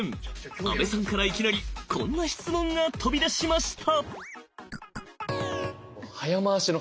阿部さんからいきなりこんな質問が飛び出しました！